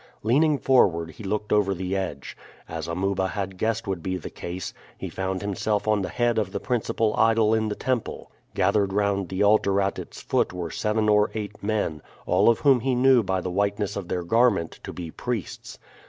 Leaning forward he looked over the edge. As Amuba had guessed would be the case, he found himself on the head of the principal idol in the temple. Gathered round the altar at its foot were seven or eight men, all of whom he knew by the whiteness of their garment to be priests.